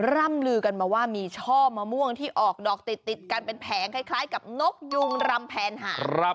ร่ำลือกันมาว่ามีช่อมะม่วงที่ออกดอกติดกันเป็นแผงคล้ายกับนกยุงรำแผนหา